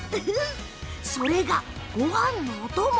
それがごはんのお供！